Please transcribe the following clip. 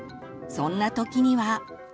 そんな時には。